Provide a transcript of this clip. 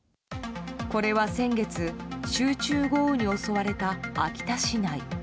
これは先月集中豪雨に襲われた秋田市内。